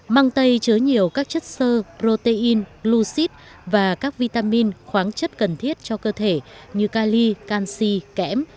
măng tây chứa nhiều các chất sơ protein glucid và các vitamin khoáng chất cần thiết cho cơ thể như cali canxi kém